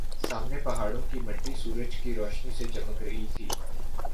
سامنے پہاڑوں کی مٹی سورج کی روشنی سے چمک رہی تھی